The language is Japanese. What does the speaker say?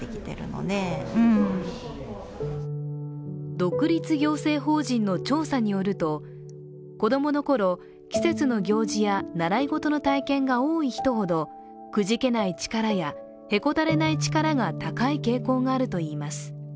独立行政法人の調査によると、子供のころ季節の行事や習い事の体験が多い人ほどくじけない力やへこたれない力が高い傾向があるといいます。